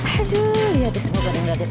aduh liat deh semua orang yang ngeliatin aku